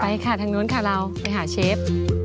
ค่ะทางนู้นค่ะเราไปหาเชฟ